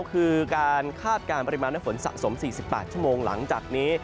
คือการคาดการณ์ปริมาณน้ำฝนสะสม๔๘ชั่วโมงหลังจากนี้